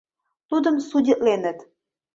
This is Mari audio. Тудым судитленыт...